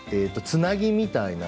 つなぎみたいな。